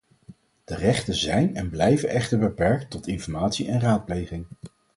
De rechten zijn en blijven echter beperkt tot informatie en raadpleging.